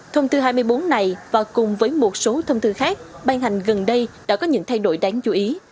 thông tư hai mươi bốn này và cùng với một số thông tư khác ban hành gần đây đã có những thay đổi đáng chú ý